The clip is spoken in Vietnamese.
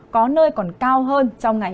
có nơi còn cao hơn trong ngày hai mươi ba